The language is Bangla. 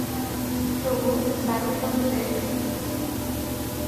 তবু বাড়ির লোকদের– মহিম।